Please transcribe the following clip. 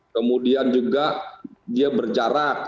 kemudian juga dia berjarak